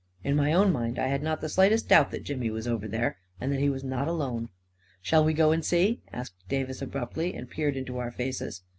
In my own mind, I had not the slightest doubt that Jimmy was over there — and that he was not alone. 44 Shall we go and see?" asked Davis abruptly, and peered into our faces.